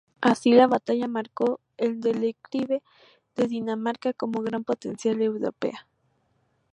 Así, la batalla marcó el declive de Dinamarca como gran potencia europea.